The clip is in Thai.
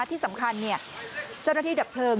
ที่สำคัญเจ้าหน้าที่ดับเพลิง